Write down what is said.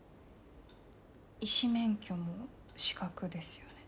医師免許も資格ですよね。